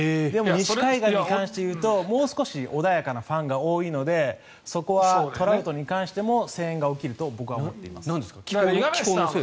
でも、西海岸に関して言うともう少し穏やかなファンが多いのでトラウトに関しても声援が起きると思います。